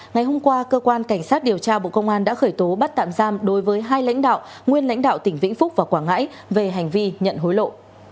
ngày hôm qua cơ quan cảnh sát điều tra bộ công an đã khởi tố bắt tạm giam đối với hai lãnh đạo nguyên lãnh đạo tỉnh vĩnh phúc và quảng ngãi về hành vi nhận hối lộ